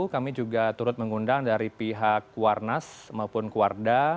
kami juga turut mengundang dari pihak kuarnas maupun kuarda